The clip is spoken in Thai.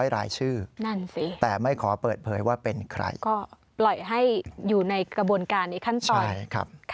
รายชื่อนั่นสิแต่ไม่ขอเปิดเผยว่าเป็นใครก็ปล่อยให้อยู่ในกระบวนการในขั้นตอน